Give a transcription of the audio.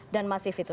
dan masih fitur